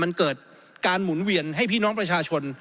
มันเกิดการหมุนเวียนให้พี่น้องประชาชน